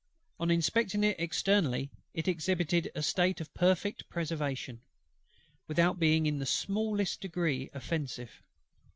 On inspecting it externally, it exhibited a state of perfect preservation, without being in the smallest degree offensive.